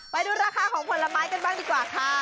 ไปดูราคาของผลไม้กันบ้างดีกว่าค่ะ